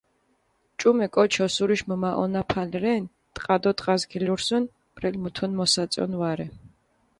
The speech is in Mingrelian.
ჭუმე კოჩი ოსურიში მჷმაჸონაფალი რენ, ტყა დო ტყას გილურსჷნ, ბრელი მუთუნ მოსაწონი ვარე.